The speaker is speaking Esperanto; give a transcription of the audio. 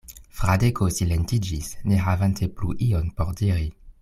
Fradeko silentiĝis, ne havante plu ion por diri.